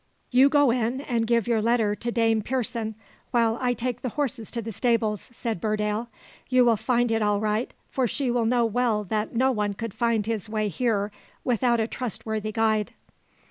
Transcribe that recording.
"You go in, and give your letter to Dame Pearson, while I take the horses to the stables," said Burdale. "You will find it all right, for she will know well that no one could find his way here without a trustworthy guide."